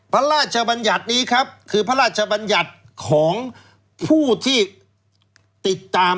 พระราชบัญญัตินี้ครับคือพระราชบัญญัติของผู้ที่ติดตาม